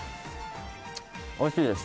おいしいです。